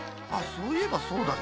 そういえばそうだけど。